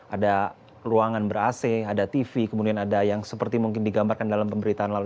ada ruangan ber ac ada tv kemudian ada yang seperti mungkin digambarkan dalam pemberitaan lalu